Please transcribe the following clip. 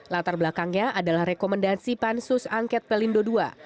latar belakangnya adalah rekomendasi pansus angket pelindo ii